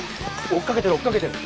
追っかけてる追っかけてる！